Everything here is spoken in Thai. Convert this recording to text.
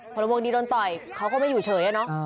พลมงดีโดนต่อยเขาก็ไม่อยู่เฉยนะ